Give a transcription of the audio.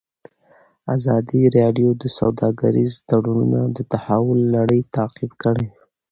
ازادي راډیو د سوداګریز تړونونه د تحول لړۍ تعقیب کړې.